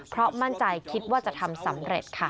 เพราะมั่นใจคิดว่าจะทำสำเร็จค่ะ